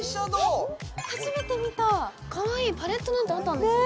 初めて見たかわいいパレットなんてあったんですね